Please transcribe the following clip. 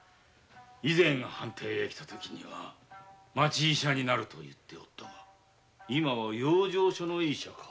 以前藩邸に来たときに町医者になると言っておったが今は養生所の医者か。